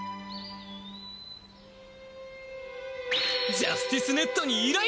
ジャスティスネットに依頼！